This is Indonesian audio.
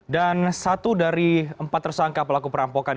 dan satu dari empat tersangka pelaku perampokan